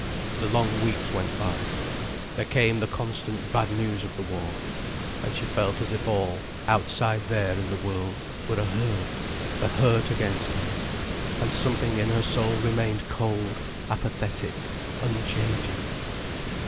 The long weeks went by. There came the constant bad news of the war. And she felt as if all, outside there in the world, were a hurt, a hurt against her. And something in her soul remained cold, apathetic, unchanging.